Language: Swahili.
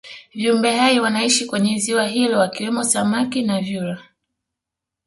viumbe hai wanaishi kwenye ziwa hilo wakimwemo samaki na vyura